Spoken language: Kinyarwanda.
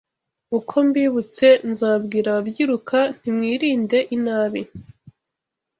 Uko mbibutse nzabwira ababyiruka nti mwirinde inabi